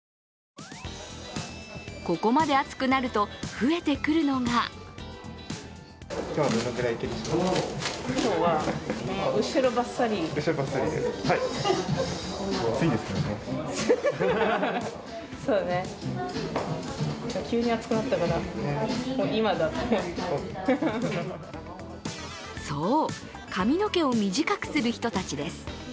ここまで暑くなると増えてくるのがそう、髪の毛を短くする人たちです。